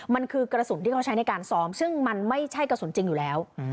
มันคือกระสุนที่เขาใช้ในการซ้อมซึ่งมันไม่ใช่กระสุนจริงอยู่แล้ว